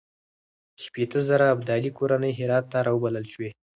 شپېته زره ابدالي کورنۍ هرات ته راوبلل شوې.